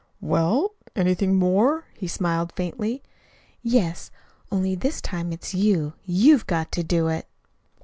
"Well? Anything more?" He smiled faintly. "Yes; only this time it's you. YOU'VE got to do it."